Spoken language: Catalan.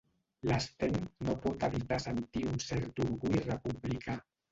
L'Sten no pot evitar sentir un cert orgull republicà.